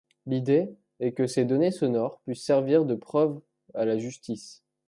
L'idée est que ces données sonores puissent servir de preuves à la justice.